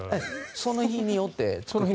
その日によって。